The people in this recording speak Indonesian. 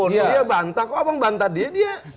dia bantah kok abang bantah dia dia